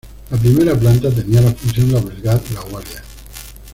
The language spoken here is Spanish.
La primera planta tenía la función de albergar la guardia.